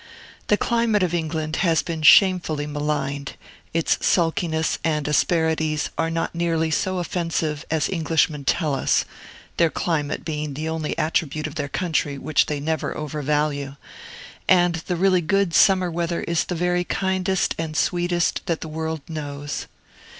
The climate of England has been shamefully maligned, its sulkiness and asperities are not nearly so offensive as Englishmen tell us (their climate being the only attribute of their country which they never overvalue); and the really good summer weather is the very kindest and sweetest that the world knows.